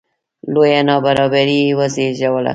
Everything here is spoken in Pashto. لویه نابرابري یې وزېږوله